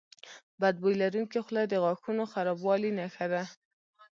بد بوی لرونکي خوله د غاښونو خرابوالي نښه ده.